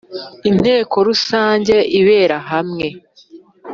Inteko Rusange ibera hamwe.